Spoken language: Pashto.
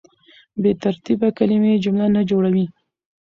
بې ترتیبه کلیمې جمله نه جوړوي.